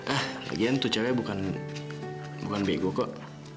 ah legean tuh cewek bukan bego kok